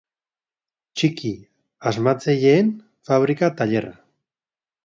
Txiki asmatzaileen fabrika tailerra.